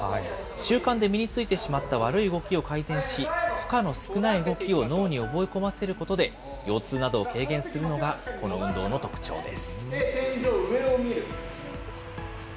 習慣で身についてしまった悪い動きを改善し、負荷の少ない動きを脳に覚え込ませることで、腰痛などを軽減するのがこの運動の特徴です。